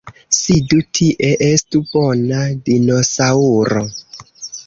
Sidu tie! Estu bona dinosaŭro!